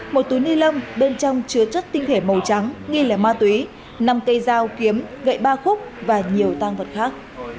một túi ni lông bên trong chứa chất tinh thể màu trắng nghi lẻ ma túy năm cây dao kiếm gậy ba khúc và nhiều tang vật khác